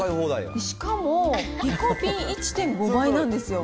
しかもリコピン１．５倍なんですよ。